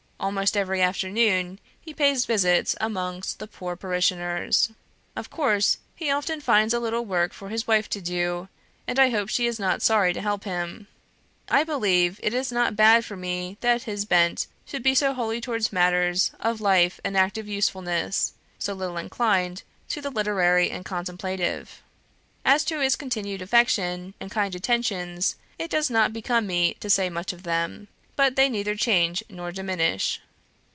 Almost every afternoon he pays visits amongst the poor parishioners. Of course, he often finds a little work for his wife to do, and I hope she is not sorry to help him. I believe it is not bad for me that his bent should be so wholly towards matters of life and active usefulness; so little inclined to the literary and contemplative. As to his continued affection and kind attentions it does not become me to say much of them; but they neither change nor diminish."